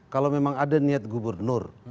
kalau memang ada niat gubernur